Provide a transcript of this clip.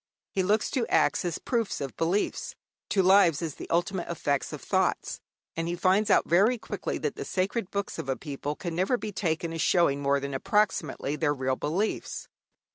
He looks to acts as proofs of beliefs, to lives as the ultimate effects of thoughts. And he finds out very quickly that the sacred books of a people can never be taken as showing more than approximately their real beliefs.